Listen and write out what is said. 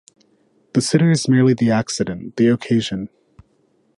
The sitter is merely the accident, the occasion.